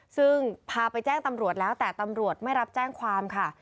ซึ่งพาไปแจ้งตำรวจแล้วแต่ตำรวจไม่รับแจ้งความค่ะ